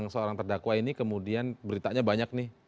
seorang terdakwa ini kemudian beritanya banyak nih